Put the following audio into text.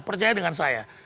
percaya dengan saya